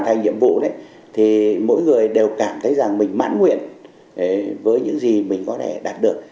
thành nhiệm vụ đấy thì mỗi người đều cảm thấy rằng mình mãn nguyện với những gì mình có thể đạt được